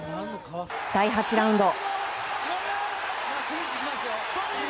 第８ラウンド。